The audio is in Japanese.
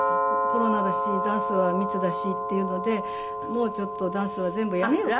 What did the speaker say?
コロナだしダンスは密だしっていうのでもうちょっとダンスは全部やめよう。